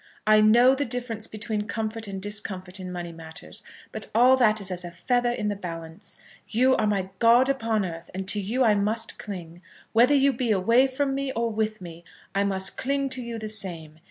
I know the difference between comfort and discomfort in money matters, but all that is as a feather in the balance. You are my god upon earth, and to you I must cling. Whether you be away from me or with me, I must cling to you the same.